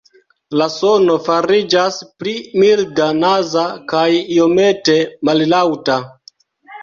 La sono fariĝas pli milda, "naza" kaj iomete mallaŭta.